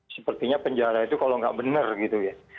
sepertinya penjara itu kalau nggak benar gitu ya